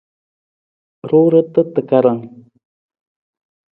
Ruurata takarang.